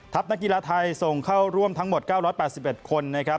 นักกีฬาไทยส่งเข้าร่วมทั้งหมด๙๘๑คนนะครับ